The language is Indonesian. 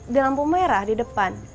di lampu merah di depan